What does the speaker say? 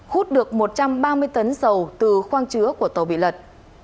hút được một trăm ba mươi tấn dầu từ khoang chứa của tàu bị lật